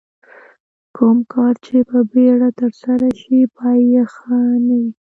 کوم کار چې په بیړه ترسره شي پای یې ښه نه وي.